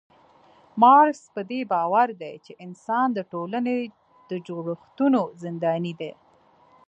مارکس پدې باور دی چي انسان د ټولني د جوړښتونو زنداني دی